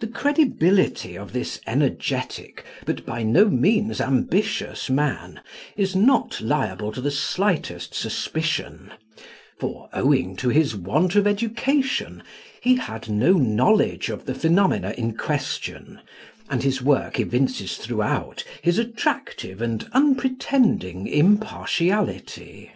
The credibility of this energetic but by no means ambitious man is not liable to the slightest suspicion, for, owing to his want of education, he had no knowledge of the phenomena in question, and his work evinces throughout his attractive and unpretending impartiality.